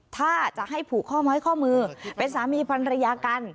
ถ้าจะให้ผูกข้อไม้ข้อมือเป็นสามีพันรยากัน